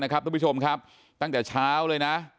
ทุกผู้ชมครับตั้งแต่เช้าเลยนะ